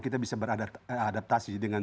kita bisa beradaptasi dengan